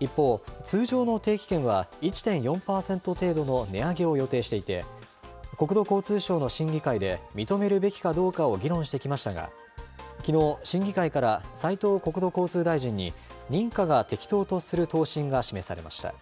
一方、通常の定期券は１．４％程度の値上げを予定していて、国土交通省の審議会で認めるべきかどうかを議論してきましたが、きのう、審議会から斉藤国土交通大臣に、認可が適当とする答申が示されました。